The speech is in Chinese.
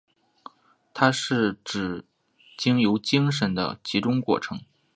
它是指经由精神的集中过程。